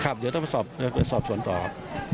ครับจะต้องไปสอบประสงค์ส่วนต่อครับ